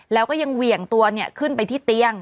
แล้วก็ยังเหวี่ยงตัวขึ้นไปที่เตียง